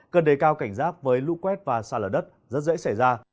cần đề cao cảnh giác với lũ quét và xa lở đất rất dễ xảy ra